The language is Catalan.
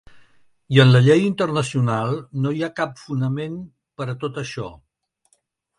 I en la llei internacional no hi ha cap fonament per a tot això.